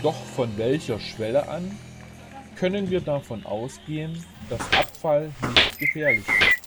Doch von welcher Schwelle an können wir davon ausgehen, dass Abfall nicht gefährlich ist?